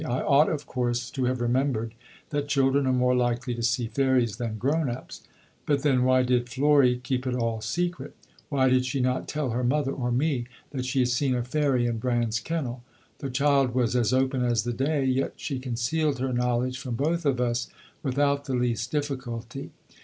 I ought, of course, to have remembered that children are more likely to see fairies than grown ups; but then why did Florrie keep it all secret? Why did she not tell her mother, or me, that she had seen a fairy in Bran's kennel? The child was as open as the day, yet she concealed her knowledge from both of us without the least difficulty.